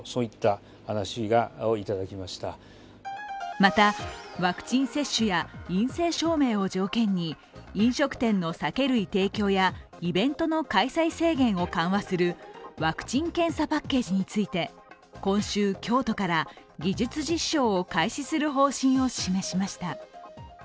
また、ワクチン接種や陰性照明を条件に飲食店の酒類提供やイベントの開催制限を緩和するワクチン・検査パッケージについて今週、京都から技術実証を開始する方針を示しました。